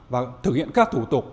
và thực hiện các thủ tục